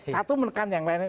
satu menekan yang lainnya